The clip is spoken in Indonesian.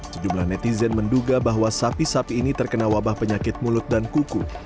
sejumlah netizen menduga bahwa sapi sapi ini terkena wabah penyakit mulut dan kuku